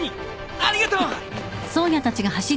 ありがとう！